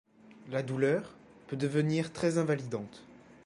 La douleur peut devenir très invalidante.